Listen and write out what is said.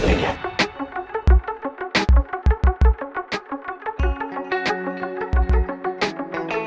apa berulang periksa dengan penawar ini